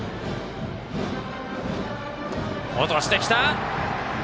落としてきた！